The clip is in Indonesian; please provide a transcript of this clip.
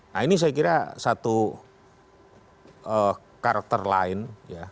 nah ini saya kira satu karakter lain ya